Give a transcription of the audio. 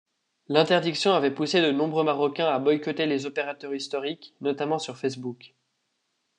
L'interdiction avait poussé de nombreux marocains à boycotter les opérateurs historiques, notamment sur Facebook.